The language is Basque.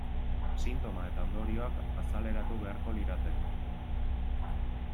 Sintoma eta ondorioak azaleratu beharko lirateke.